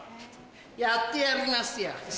やってやりますよ。